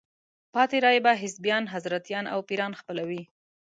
پاتې رایې به حزبیان، حضرتیان او پیران خپلوي.